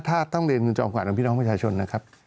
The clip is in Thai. ถ้าต้องเรียนคุณจอมขวัญของพี่น้องประชาชนนะครับ